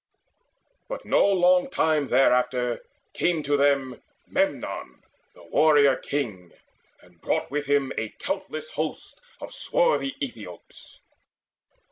But no long time thereafter came to them Memnon the warrior king, and brought with him A countless host of swarthy Aethiops.